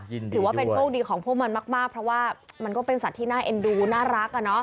ถือว่าเป็นโชคดีของพวกมันมากเพราะว่ามันก็เป็นสัตว์ที่น่าเอ็นดูน่ารักอ่ะเนอะ